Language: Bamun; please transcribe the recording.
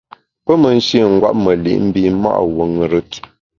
Pe me nshî ngwet me li’ mbi’ ma’ wuo ṅùrùt.